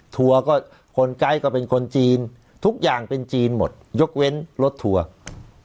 ทัวร์ก็คนไกด์ก็เป็นคนจีนทุกอย่างเป็นจีนหมดยกเว้นรถทัวร์